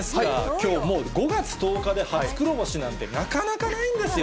きょう、もう５月１０日で初黒星なんてなかなかないんですよ。